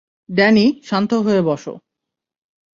Danny, শান্ত হয়ে বস!